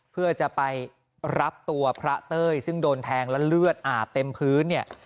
เพื่อจะไปรับตัวพระเต้ยซึ่งโดนแทงและเลือดอาบเต็มพื้นเนี่ย